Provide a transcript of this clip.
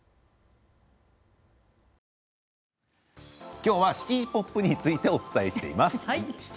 今日はシティ・ポップについてお伝えしています。